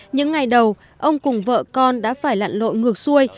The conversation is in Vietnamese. những ngày đầu ông cùng vợ con đã phải lặn lội ngược xuôi